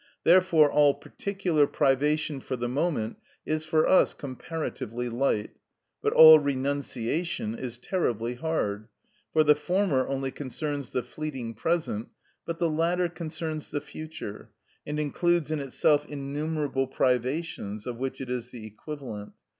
Therefore all particular privation for the moment is for us comparatively light, but all renunciation is terribly hard; for the former only concerns the fleeting present, but the latter concerns the future, and includes in itself innumerable privations, of which it is the equivalent.